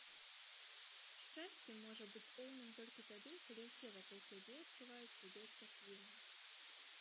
Шчасце можа быць поўным толькі тады, калі ўсе вакол цябе адчуваюць сябе шчаслівымі